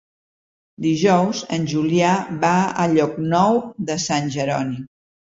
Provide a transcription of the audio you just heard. Dijous en Julià va a Llocnou de Sant Jeroni.